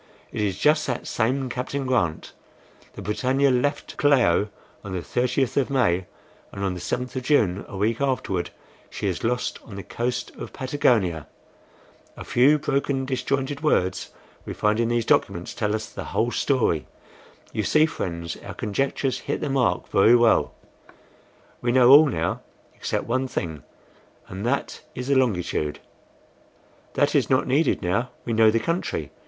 "It is just that same Captain Grant. The BRITANNIA left Callao on the 30th of May, and on the 7th of June, a week afterward, she is lost on the coast of Patagonia. The few broken disjointed words we find in these documents tell us the whole story. You see, friends, our conjectures hit the mark very well; we know all now except one thing, and that is the longitude." "That is not needed now, we know the country.